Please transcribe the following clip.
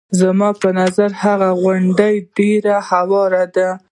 زما په نظر هغه تر غونډیو ډېره هواره ده.